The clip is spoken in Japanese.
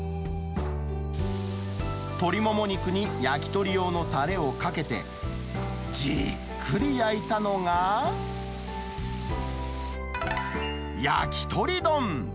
鶏もも肉に焼き鳥用のたれをかけて、じっくり焼いたのが、焼き鳥丼。